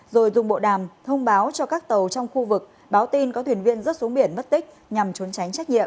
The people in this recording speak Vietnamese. rồi dùng bộ đàm thông báo cho các tàu trong khu vực báo tin có thuyền viên rớt xuống biển mất tích nhằm trốn tránh trách nhiệm